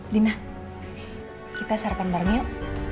dina kita sarapan bareng yuk